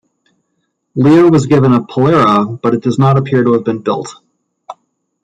Lear was given a Polara but it does not appear to have been built.